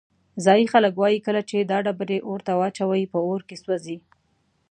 ځایی خلک وایي کله چې دا ډبرې اور ته واچوې په اور کې سوځي.